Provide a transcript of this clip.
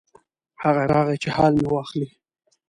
هغه راغی چې حال مې واخلي.